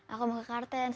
aku mau ke kartens